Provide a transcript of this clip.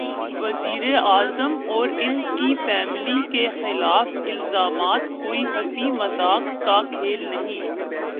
وزیر اعظم اور ان کی فیملی کے خلاف الزامات کوئی ہنسی مذاق کا کھیل نہیں۔